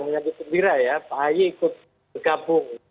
menyadari pembira ya pak aye ikut bergabung